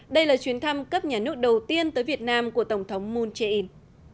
đây là chuyến thăm cấp nhà nước đầu tiên tới việt nam của tổng thống moon jae in